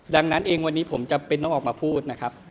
ดังนั้นเองวันนี้ผมจำเป็นต้องออกมาพูดนะครับ